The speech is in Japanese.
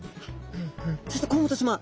そして甲本さま